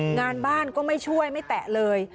งานบ้านก็ไม่ช่วยไม่แตะเลย